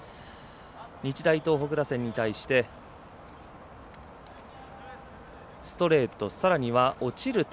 日大東北打線に対してストレート、さらには落ちる球。